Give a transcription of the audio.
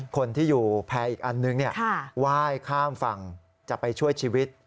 คนที่อยู่แพร่อีกอันนึงไหว้ข้ามฝั่งจะไปช่วยชีวิต